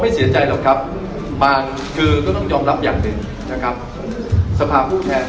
พ่อไม่เจอใจหรอกครับคือก็ต้องยอมรับอย่างหนึ่ง